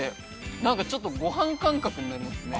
なんかちょっとごはん感覚になりますね。